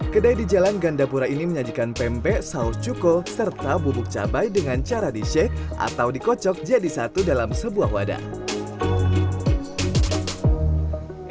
kedai di jalan gandapura ini menyajikan pempek saus cuko serta bubuk cabai dengan cara dicek atau dikocok jadi satu dalam sebuah wadah